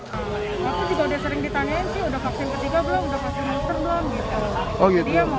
aku juga udah sering ditanyain sih udah vaksin ketiga belum udah vaksin apa belum